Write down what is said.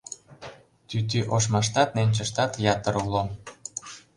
Тӱтӱ ошмаштат, ненчыштат ятыр уло.